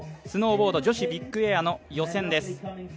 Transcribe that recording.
スノーボード女子ビッグエアの予選です。